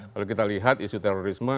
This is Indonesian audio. kalau kita lihat isu terorisme